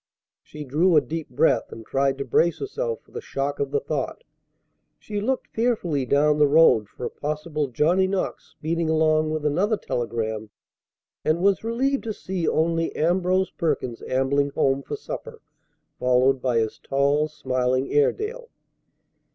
She drew a deep breath, and tried to brace herself for the shock of the thought. She looked fearfully down the road for a possible Johnny Knox speeding along with another telegram, and was relieved to see only Ambrose Perkins ambling home for supper followed by his tall, smiling Airedale.